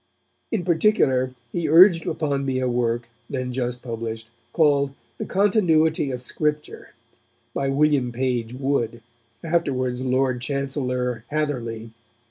In particular, he urged upon me a work, then just published, called The Continuity of Scripture by William Page Wood, afterwards Lord Chancellor Hatherley.